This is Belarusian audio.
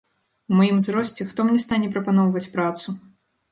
У маім узросце хто мне стане прапаноўваць працу?